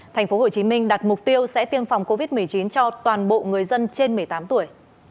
thành phố hồ chí minh đạt mục tiêu sẽ tiêm phòng covid một mươi chín cho toàn bộ người dân trên một mươi tám tuổi